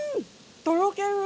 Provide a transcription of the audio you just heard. とろける！